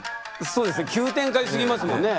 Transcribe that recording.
そうですね急展開すぎますもんね。